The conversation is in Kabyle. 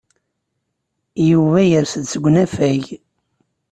Yuba yers-d seg usafag.